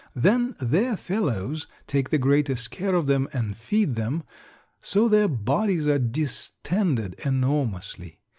Then their fellows take the greatest care of them and feed them so their bodies are distended enormously.